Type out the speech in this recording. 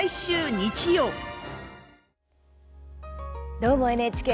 「どーも、ＮＨＫ」